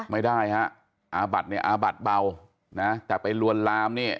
ไม่ได้ฮะอาบัดเนี่ยอาบัดเบานะแต่ไปลวนลามเนี่ย